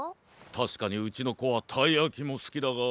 たしかにうちのこはたいやきもすきだが。